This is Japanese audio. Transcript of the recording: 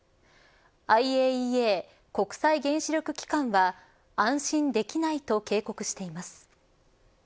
ＩＡＥＡ国際原子力機関は安心できないと警告しています。